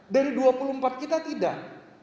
dari dua puluh empat kita tidak